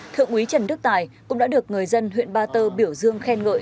thượng úy trần đức tài cũng đã được người dân huyện ba tơ biểu dương khen ngợi